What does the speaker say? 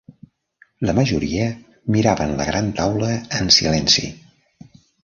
La majoria miraven la gran taula en silenci.